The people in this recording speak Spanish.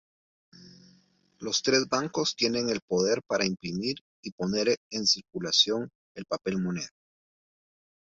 Los tres bancos tenían poder para imprimir y poner en circulación el papel moneda.